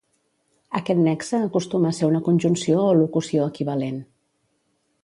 Aquest nexe acostuma a ser una conjunció o locució equivalent.